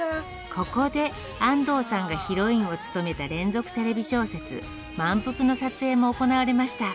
ここで安藤さんがヒロインを務めた連続テレビ小説「まんぷく」の撮影も行われました